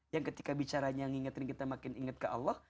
yang ketika bicaranya ngingetin kita makin ingat ke allah